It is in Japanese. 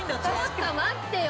ちょっと待ってよ。